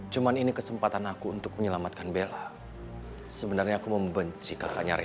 cuman ini kesempatan aku untuk menyelamatkan bella